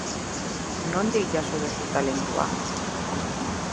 Nondik jaso duzu talentua?